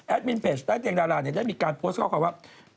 มินเพจใต้เตียงดาราได้มีการโพสต์ข้อความว่า